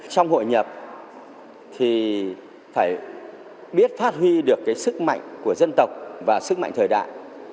trong hội nhập thì phải biết phát huy được cái sức mạnh của dân tộc và sức mạnh thời đại